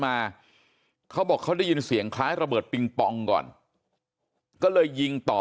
มาเขาบอกเขาได้ยินเสียงคล้ายระเบิดปิงปองก่อนก็เลยยิงต่อ